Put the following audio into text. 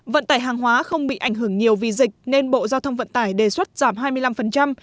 vận tải hàng hóa không bị ảnh hưởng nhiều vì dịch nên bộ giao thông vận tải đề xuất giảm hai mươi năm